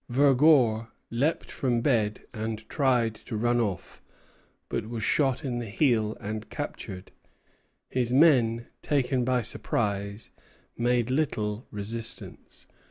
Vergor leaped from bed and tried to run off, but was shot in the heel and captured. His men, taken by surprise, made little resistance.